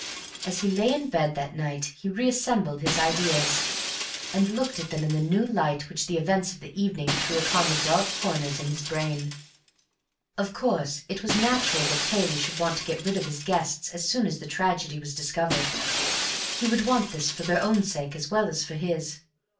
As he lay in bed that night he reassembled his ideas, and looked at them in the new light which the events of the evening threw upon the dark corners in his brain. Of course it was natural that Cayley should want to get rid of his guests as soon as the tragedy was discovered. He would want this for their own sake as well as for his.